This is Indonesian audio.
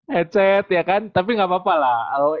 headset ya kan tapi nggak apa apa lah